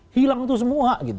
hilang itu semua